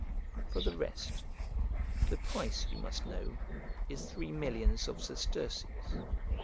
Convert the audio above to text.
For the rest, the price, you must know, is three millions of sesterces.